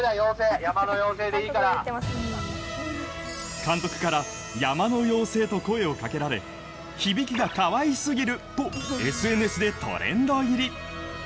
監督から山の妖精と声を掛けられ響きが可愛すぎる！とＳＮＳでトレンド入り。